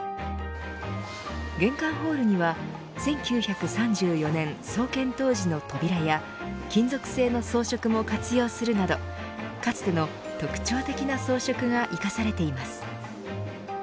玄関ホールには１９３４年創建当時の扉や金属製の装飾も活用するなどかつての特徴的な装飾が生かされています。